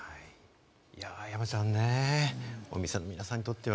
山ちゃんね、お店の皆さんにとっては。